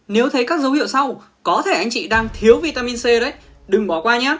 nếu thấy các dấu hiệu sau có thể anh chị đang thiếu vitamin c đấy đừng bỏ qua nhét